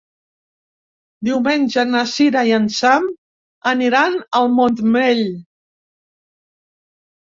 Diumenge na Sira i en Sam aniran al Montmell.